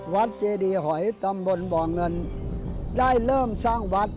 เจดีหอยตำบลบ่อเงินได้เริ่มสร้างวัด